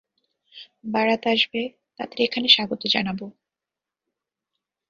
বারাত আসবে, তাদের এখানে স্বাগত জানাবো।